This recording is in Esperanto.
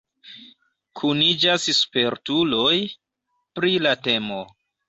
Kuniĝas spertuloj pri la temo.